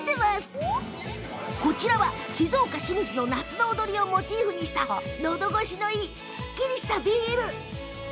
こちらは、静岡清水の夏の踊りをモチーフにしたのどごしのいいすっきりとしたビール。